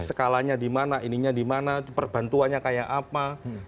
skalanya di mana ininya di mana perbantuannya kayak apa